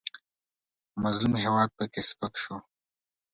مظلوم هېواد پکې سپک شو.